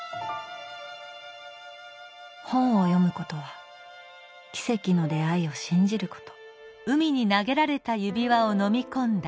本を読むことは奇跡の出会いを信じること。